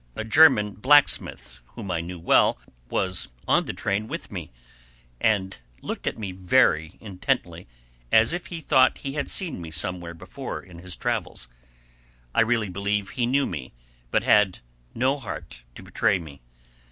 A German blacksmith whom I knew well was on the train with me, and looked at me very intently, as if he thought he had seen me somewhere before in his travels. I really believe he knew me, but had no heart to betray me.